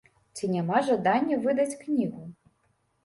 Ці няма жадання выдаць кнігу?